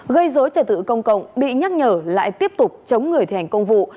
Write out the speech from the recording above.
gây dối trật tự công cộng bị nhắc nhở lại tiếp tục chống người thi hành công vụ